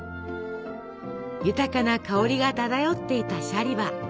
豊かな香りが漂っていたシャリバ。